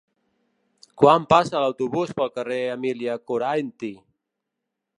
Quan passa l'autobús pel carrer Emília Coranty?